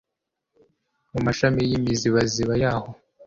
mu mashami y'imizibaziba yahoo